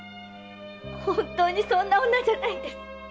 本当にそんな女じゃないんです。